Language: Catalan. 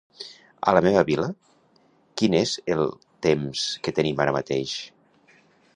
A la meva vila, quin és el temps que tenim ara mateix?